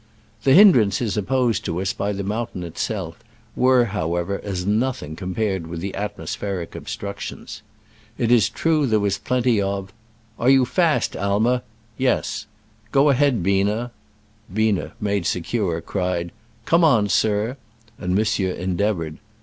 The hindrances opposed to us by the mountain itself were, however, as noth ing compared with the atmospheric ob structions. It is true there was plenty of — *'Are you fast, Aimer?" "Yes." "Go ahead, Biener." Biener, made se cure, cried, "Come on, sir," and mon sieur endeavored.